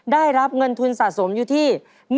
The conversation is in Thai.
ได้รับเงินทุนสะสมอยู่ที่